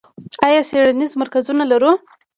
آیا څیړنیز مرکزونه لرو؟